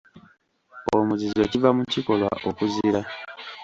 Omuzizo kiva mu kikolwa okuzira.